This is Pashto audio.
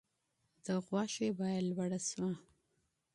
د غوښې بیه لوړه شوه.